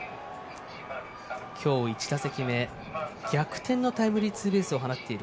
今日、１打席目、逆転のタイムリーツーベースを放っている